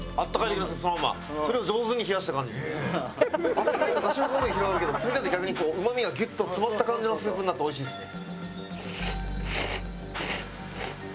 温かいとダシの香りが広がるけど冷たいと逆にこううまみがギュッと詰まった感じのスープになっておいしいですね。